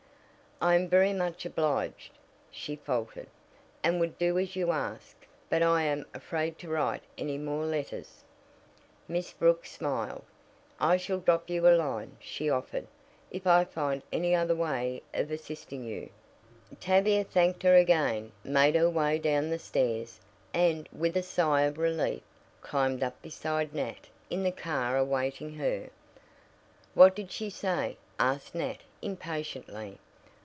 "I am very much obliged," she faltered, "and would do as you ask, but I am afraid to write any more letters." Miss Brooks smiled. "I shall drop you a line," she offered, "if I find any other way of assisting you." Tavia thanked her again, made her way down the stairs, and, with a sigh of relief, climbed up beside Nat in the car awaiting her. "What did she say?" asked Nat impatiently.